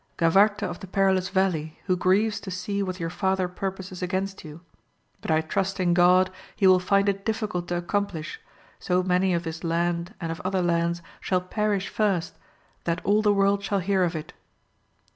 — Gavarte of the Perilous Valley, who grieves to see what your father purposes against you; but I trust in God he will find it difficult to accomplish, so many of this land and of other lands shall perish first. AMADIS OF GAUL. 47 that all the world shall hear of it.